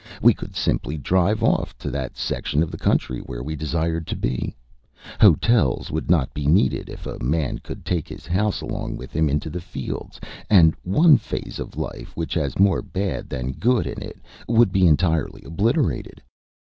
We could simply drive off to that section of the country where we desired to be. Hotels would not be needed if a man could take his house along with him into the fields, and one phase of life which has more bad than good in it would be entirely obliterated.